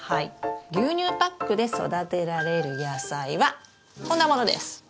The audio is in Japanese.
牛乳パックで育てられる野菜はこんなものです。